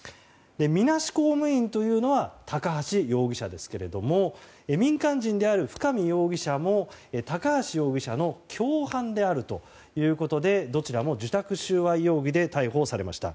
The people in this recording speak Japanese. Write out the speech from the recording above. みなし公務員というのは高橋容疑者ですが民間人である深見容疑者も高橋容疑者の共犯であるということでどちらも受託収賄容疑で逮捕されました。